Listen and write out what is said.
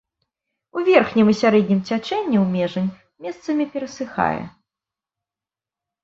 У верхнім і сярэднім цячэнні ў межань месцамі перасыхае.